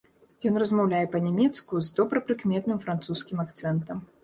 Ён размаўляе па-нямецку з добра прыкметным французскім акцэнтам.